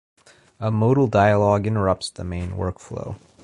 A modal dialog interrupts the main workflow.